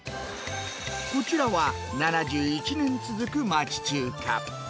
こちらは、７１年続く町中華。